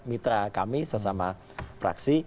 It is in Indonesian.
mitra kami sesama fraksi